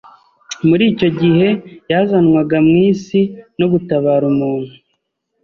muri icyo gihe yazanwaga mu isi no gutabara umuntu.